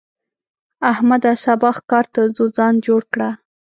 احمده! سبا ښکار ته ځو؛ ځان جوړ کړه.